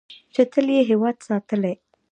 چې تل یې هیواد ساتلی.